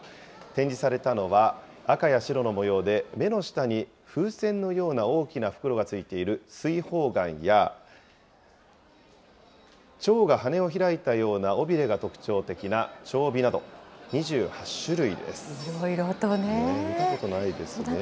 展示されたのは、赤や白の模様で、目の下に風船のような大きな袋がついている水泡眼や、ちょうが羽を開いたような尾びれが特徴的な蝶尾など、いろいろとね。